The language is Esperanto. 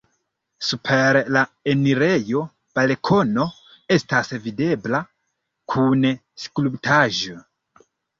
Super la enirejo balkono estas videbla kun skulptaĵo.